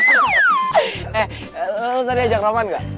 eh lo tadi ajak roman gak